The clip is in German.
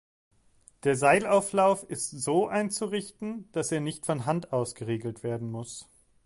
Der Seilauflauf ist so einzurichten, daß er nicht von Hand aus geregelt werden muß.